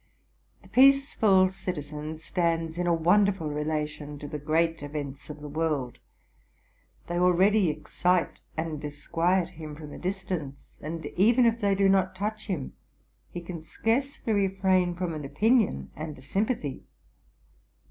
The peaceful citizen stands in a wonderful relation to the great events of the world. They already excite and disquiet him from a distance; and, even if they do not touch him, he can searcely refrain from an opinion and a sympathy.